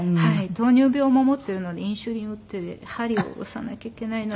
糖尿病も持っているのでインスリンを打って針を押さなきゃいけないので。